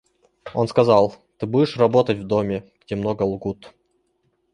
Он сказал: «Ты будешь работать в доме, где много лгут».